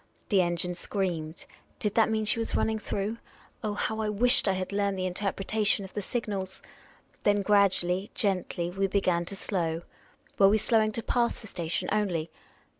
The engine screamed. Did that mean .she was ruiniing through ? Oh, how I wished I had learned the interpreta tion of the signals ! Then gradually, gently, we began to slow. Were we slowing to pass the station only